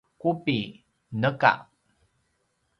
qubi: neka